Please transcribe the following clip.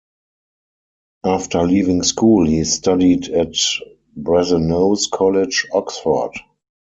After leaving school he studied at Brasenose College, Oxford.